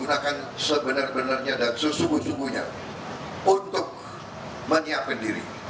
kita akan digunakan sebenarnya dan sesungguh sungguhnya untuk menyiapkan diri